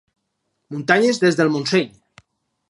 Muntanyes des del Montseny.